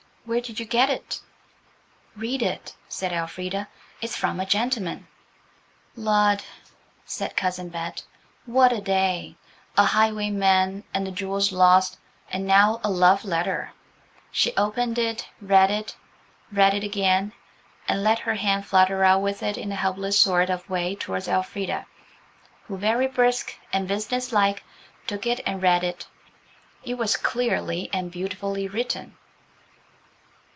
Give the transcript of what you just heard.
Where did you get it?" "Read it," said Elfrida, "it's from a gentleman." "Lud!" said Cousin Bet. "What a day!–a highwayman and the jewels lost, and now a love letter." She opened it, read it–read it again and let her hand flutter out with it in a helpless sort of way towards Elfrida, who, very brisk and businesslike, took it and read it. It was clearly and beautifully written.